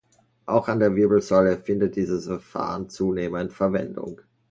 Auch an der Wirbelsäule findet dieses Verfahren zunehmend Verwendung.